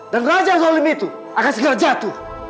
dan raja zulim itu akan segera jatuh